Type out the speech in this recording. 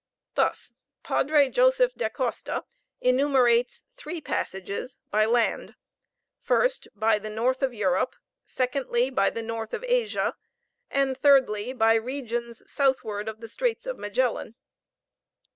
Thus Padre Joseph d'Acosta enumerates three passages by land, first by the north of Europe, secondly by the north of Asia, and, thirdly, by regions southward of the Straits of Magellan.